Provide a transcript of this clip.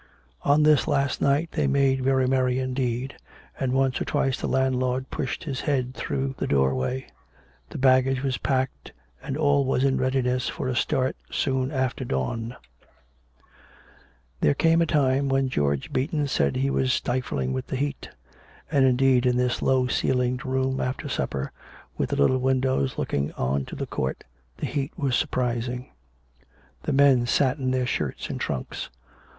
On this last night they made very merry indeed, and once or twice the landlord pushed his head through the doorway. The baggage was packed, and all was in readi ness for a start soon after dawn. There came a time when George Beaton said that he was stifling with the heat; and, indeed, in this low ceilinged room after supper, with the little windows looking on to the court, the heat was surprising. The men sat in their shirts and trunks.